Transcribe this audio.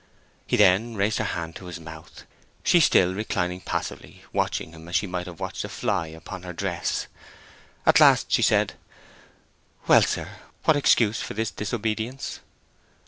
He then raised her hand to his month, she still reclining passively, watching him as she might have watched a fly upon her dress. At last she said, "Well, sir, what excuse for this disobedience?"